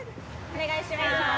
お願いします。